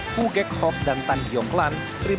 pu gek hop dan tan biok lan seribu sembilan ratus dua puluh tiga